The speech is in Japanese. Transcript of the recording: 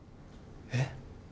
えっ？